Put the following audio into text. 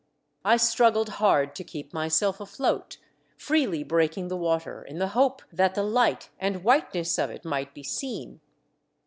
I struggled hard to keep myself afloat, freely breaking the water in the hope that the light and whiteness of it might be seen.